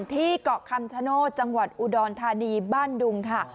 ที่เกาะคำชโนธจังหวัดอุดรธานีบ้านดุงค่ะ